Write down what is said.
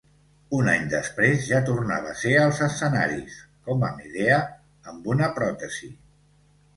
Un any després ja tornava a ser als escenaris, com a Medea, amb una pròtesi.